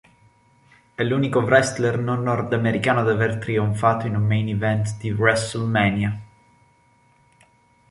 È l'unico wrestler non nordamericano ad aver trionfato in un main event di WrestleMania.